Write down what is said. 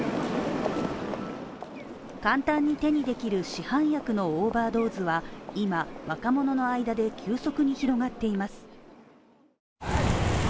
簡単に手にできる市販薬のオーバードーズは今、若者の間で急速に広がっています。